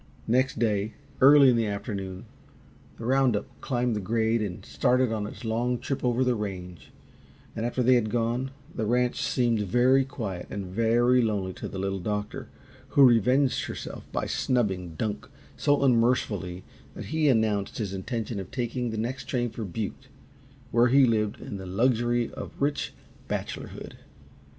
Next day, early in the afternoon, the round up climbed the grade and started on its long trip over the range, and, after they had gone, the ranch seemed very quiet and very lonely to the Little Doctor, who revenged herself by snubbing Dunk so unmercifully that he announced his intention of taking the next train for Butte, where he lived in the luxury of rich bachelorhood.